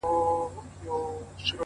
مثبت چلند ستونزې سپکوي؛